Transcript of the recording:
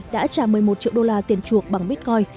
đã trả một mươi một triệu đô la tiền chuộc bằng bitcoin